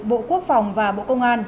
bộ quốc phòng và bộ công an